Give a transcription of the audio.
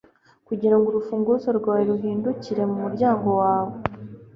Kugirango urufunguzo rwawe ruhindukire mumuryango wawe